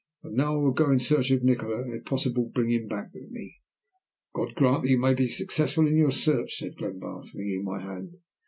"And now I will go in search of Nikola, and if possible bring him back with me." "God grant you may be successful in your search," said Glenbarth, wringing my hand.